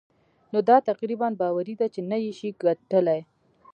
نو دا تقريباً باوري ده چې نه يې شې ګټلای.